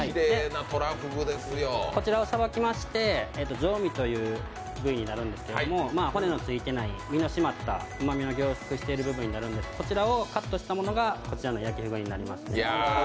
こちらをさばきまして、上身という部分、骨のついていない身の締まったうまみの凝縮している部分になるんですけど、こちらをカットしたものがこちらの焼ふぐになります。